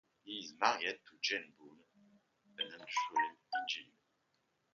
He is married to Jane Boon, an industrial engineer.